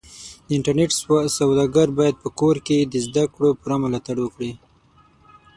د انټرنېټ سوداګر بايد په کور کې د زدهکړو پوره ملاتړ وکړي.